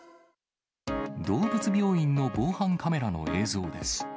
動物病院の防犯カメラの映像です。